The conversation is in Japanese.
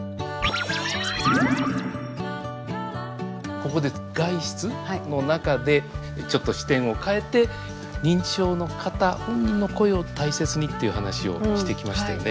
ここで外出の中でちょっと視点を変えて認知症の方本人の声を大切にっていう話をしてきましたよね。